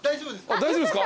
大丈夫ですか？